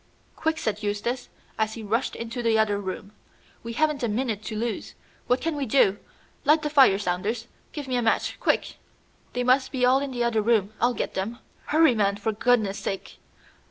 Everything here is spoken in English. "Quick!" said Eustace, as he rushed into the other room; "we haven't a minute to lose. What can we do? Light the fire, Saunders. Give me a match, quick!" "They must be all in the other room. I'll get them." "Hurry, man, for goodness' sake!